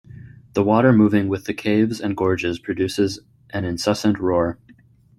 The water moving with the caves and gorges produces an incessant roar.